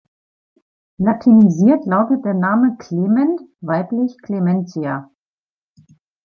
Latinisiert lautet der Name Clement, weiblich Clementia.